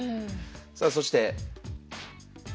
さあそして。